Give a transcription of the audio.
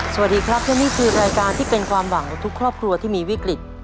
สวัสดีครับและนี่คือรายการที่เป็นความหวังของทุกครอบครัวที่มีวิกฤต